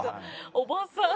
おばさん。